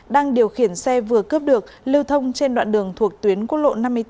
đang điều khiển xe vừa cướp được lưu thông trên đoạn đường thuộc tuyến quốc lộ năm mươi bốn